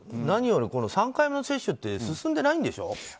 何より３回目の接種って進んでないんでしょ？